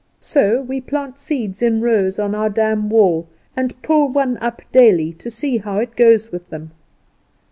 So we plant seeds in rows on our dam wall, and pull one up daily to see how it goes with them.